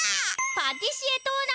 パティシエトーナメント！